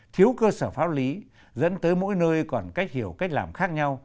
thiếu cơ sở pháp lý dẫn tới mỗi nơi còn cách hiểu cách làm khác nhau